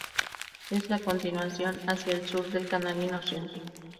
Es la continuación hacia el sur del canal Inocentes.